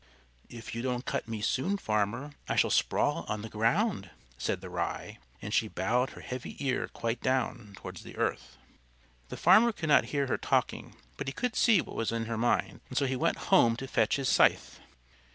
"If you don't cut me soon, farmer, I shall sprawl on the ground," said the Rye, and she bowed her heavy ear quite down towards the earth. The farmer could not hear her talking, but he could see what was in her mind, and so he went home to fetch his scythe.